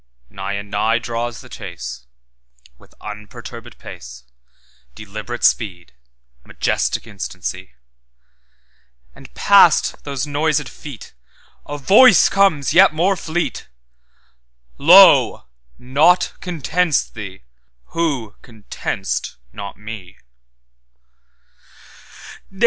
Nigh and nigh draws the chase, With unperturbèd pace, Deliberate speed, majestic instancy; And past those noisèd FeetA voice comes yet more fleet—'Lo! naught contents thee, who content'st not Me!